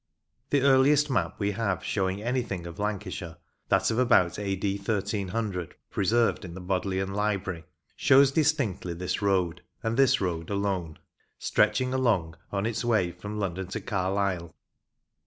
The earliest map we have showing anything of Lancashire that of about A.D. 1300, preserved in the Bodleian Library shows distinctly this road, and this road alone, stretching along on its way from London to Carlisle.